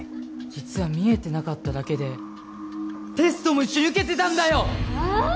実は見えてなかっただけでテストも一緒に受けてたんだよはあ？